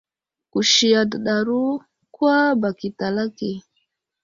Kusi adəɗaro kwa bak i talake.